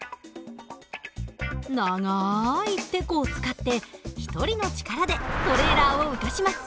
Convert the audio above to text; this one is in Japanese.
長いてこを使って一人の力でトレーラーを浮かします。